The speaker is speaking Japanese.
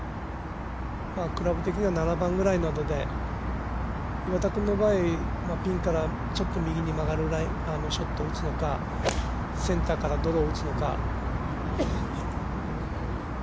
クラブ的には７番ぐらいで、岩田君の場合ピンからちょっと右に曲がるショットを打つのかセンターからドローを打つのか。